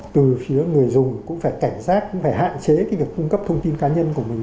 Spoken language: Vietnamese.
từ phía người dùng cũng phải cảnh giác cũng phải hạn chế cái việc cung cấp thông tin cá nhân của mình